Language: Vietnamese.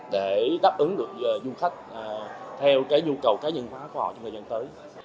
để đáp ứng được du khách theo cái nhu cầu cá nhân hóa của họ trong thời gian tới